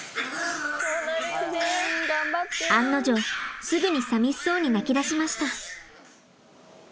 案の定すぐにさみしそうに鳴きだしました。